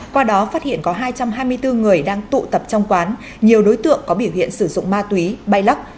qua đó phát hiện có hai trăm hai mươi bốn người đang tụ tập trong quán nhiều đối tượng có biểu hiện sử dụng ma túy bay lắc